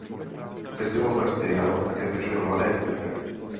Festival Pražské jaro také pečuje o mladé interprety.